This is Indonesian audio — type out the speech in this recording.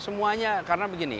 semuanya karena begini